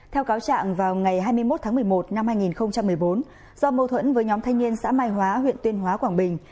theo cáo trạng vào ngày hai mươi một tháng một mươi một năm hai nghìn một mươi bốn do mâu thuẫn với nhóm thanh niên xã mai hóa huyện tuyên hóa quảng bình